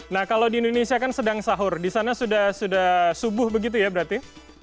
nah kalau di indonesia kan sedang sahur di sana sudah subuh begitu ya berarti